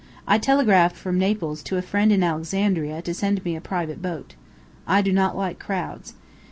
"I telegraphed from Naples to a friend in Alexandria to send me a private boat. I do not like crowds."